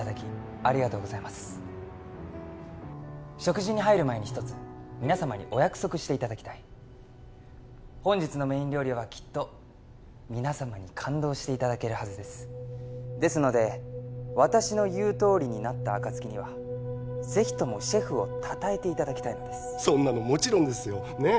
ありがとうございます食事に入る前に一つ皆様にお約束していただきたい本日のメイン料理はきっと皆様に感動していただけるはずですですので私の言うとおりになった暁にはぜひともシェフをたたえていただきたいのですそんなのもちろんですよねえ